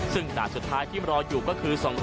ซึ่งด่านสุดท้ายที่รออยู่ก็คือ